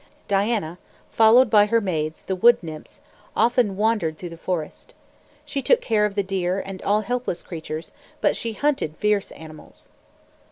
Diana, followed by her maids the wood nymphs, often wandered through the forest. She took care of the deer and all helpless creatures, but she hunted fierce animals.